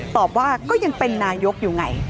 ตอบว่าก็ยังเป็นนายกอยู่ไง